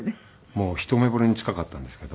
もう一目ぼれに近かったんですけど。